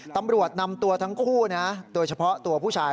ตำรวจนำตัวทั้งคู่โดยเฉพาะตัวผู้ชาย